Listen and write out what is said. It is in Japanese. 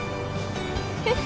えっ？